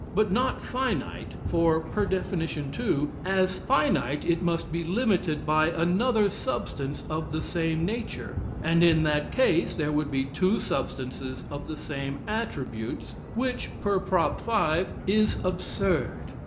But not finite, for (per def. two) as finite it must be limited by another substance of the same nature, and in that case there would be two substances of the same attributes, which (per prop, five) is absurd.